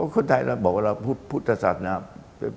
คนไทยบอกว่าเราพุทธศัตริย์นะครับ